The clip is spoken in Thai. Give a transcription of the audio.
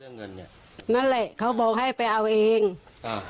เงินเนี้ยนั่นแหละเขาบอกให้ไปเอาเองอ่า